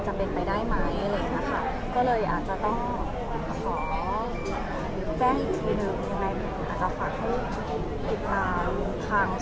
รวมที่คุณแม่ก็เคยพูดไปว่า